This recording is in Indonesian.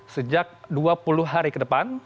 sejak dua puluh hari ke depan